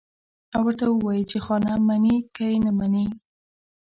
او ورته ووايي چې خانه منې که يې نه منې.